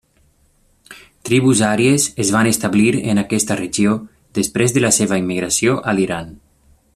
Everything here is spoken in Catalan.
Tribus àries es van establir en aquesta regió després de la seva immigració a l'Iran.